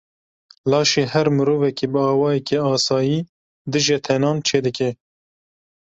Laşê her mirovekî bi awayekî asayî dijetenan çê dike.